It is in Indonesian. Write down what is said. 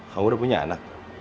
kamu udah punya anak